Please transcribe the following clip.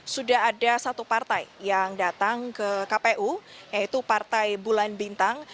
sudah ada satu partai yang datang ke kpu yaitu partai bulan bintang